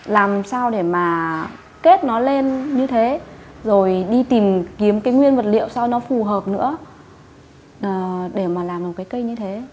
làm sao để mà kết nó lên như thế rồi đi tìm kiếm cái nguyên vật liệu sao nó phù hợp nữa để mà làm một cái cây như thế